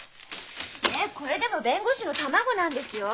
えっこれでも弁護士の卵なんですよ。